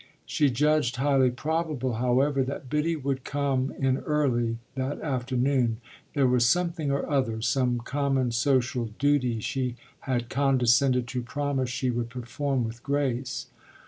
She judged highly probable, however, that Biddy would come in early that afternoon: there was something or other, some common social duty, she had condescended to promise she would perform with Grace.